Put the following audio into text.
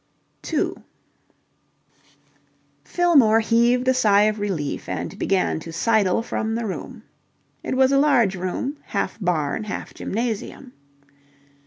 2 Fillmore heaved a sigh of relief and began to sidle from the room. It was a large room, half barn, half gymnasium.